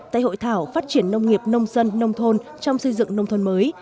tại hội thảo phát triển nông nghiệp nông dân nông thôn trong xây dựng nông thôn mới